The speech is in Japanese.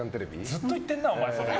ずっと言ってんな、お前。